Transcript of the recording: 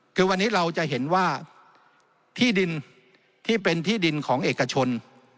คือวันนี้เราจะเห็นว่าที่ดินที่เป็นที่ดินของเอกชน